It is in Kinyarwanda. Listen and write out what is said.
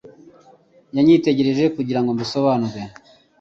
Yanyitegereje kugira ngo mbisobanure.